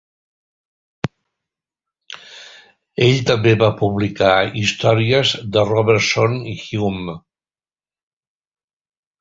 Ell també va publicar històries de Robertson i Hume.